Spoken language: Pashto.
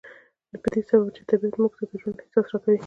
په دې سبب چې طبيعت موږ ته د ژوند احساس را کوي.